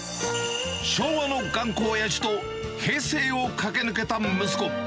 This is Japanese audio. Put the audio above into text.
昭和の頑固おやじと平成を駆け抜けた息子。